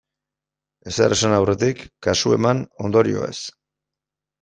Ezer esan aurretik, kasu eman ondorioez.